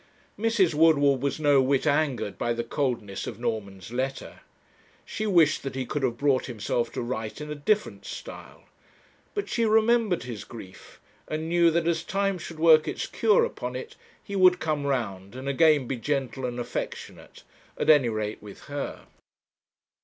Mrs. Woodward was no whit angered by the coldness of Norman's letter. She wished that he could have brought himself to write in a different style, but she remembered his grief, and knew that as time should work its cure upon it, he would come round and again be gentle and affectionate, at any rate with her.